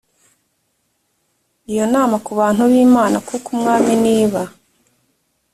iyo nama ku bantu b imana kuko umwami niba